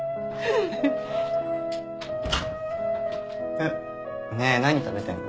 えっねえ何食べてんの？